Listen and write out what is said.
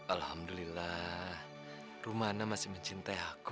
alhamdulillah rumana masih mencintai aku